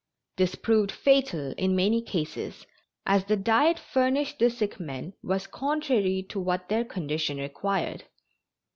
This proved fatal in many cases, as the diet furnished the sick men was contrary to what their condition required.